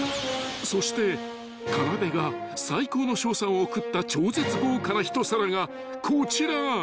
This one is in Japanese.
［そしてかなでが最高の称賛を贈った超絶豪華な一皿がこちら］